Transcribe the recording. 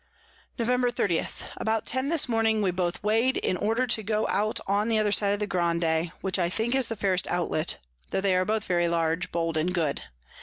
Edward Cooke, Nov. 30. About ten this morning we both weigh'd, in order to go out on the other side of Grande, which I think is the fairest Outlet, tho they are both very large, bold and good.